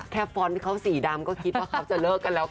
ฟ้อนต์เขาสีดำก็คิดว่าเขาจะเลิกกันแล้วค่ะ